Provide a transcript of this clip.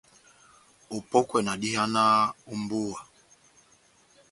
Opɔ́kwɛ na dihanaha ó mbówa.